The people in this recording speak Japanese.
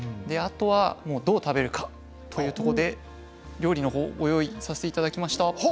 あとはどう食べるかというとこで料理の方をご用意させていただきました。